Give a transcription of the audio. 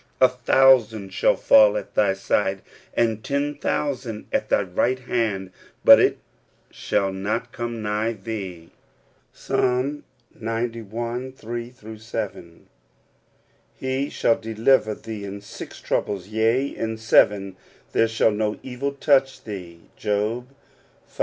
A thousand shall fall at thy side, and ten thousand at thy right hand ; but it shall not come nigh thee" (Ps. xci. 3 7). "He shall deliver thee in six troubles; yea, in seven there shall no evil touch thee" (Job V.